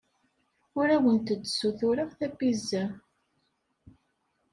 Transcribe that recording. Ur awent-d-ssutureɣ tapizza.